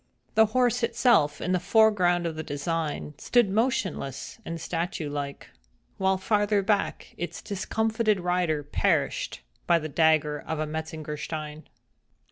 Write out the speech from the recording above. The horse itself, in the foreground of the design, stood motionless and statue like—while farther back, its discomfited rider perished by the dagger of a Metzengerstein.